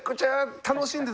楽しんでた。